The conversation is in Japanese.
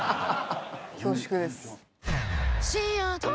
恐縮です。